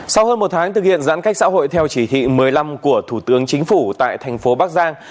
sau hơn một tháng thực hiện giãn cách xã hội theo chỉ thị một mươi năm của thủ tướng chính phủ tại thành phố bắc giang